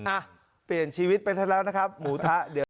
อ่ะเปลี่ยนชีวิตไปซะแล้วนะครับหมูทะเดี๋ยว